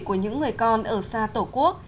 của những người con ở xa tổ quốc